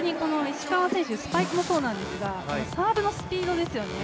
石川選手、スパイクもそうなんですがサーブのスピードですよね